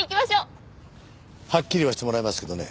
はっきり言わせてもらいますけどね